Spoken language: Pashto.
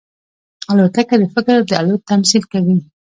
الوتکه د فکر د الوت تمثیل کوي.